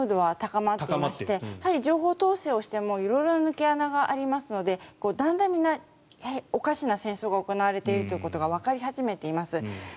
かなり反戦ムードは高まっていましてやはり情報統制をしても色々な抜け穴がありますのでだんだんみんな、おかしな戦争が行われているということがわかり始めています。